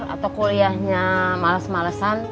atau kuliahnya males malesan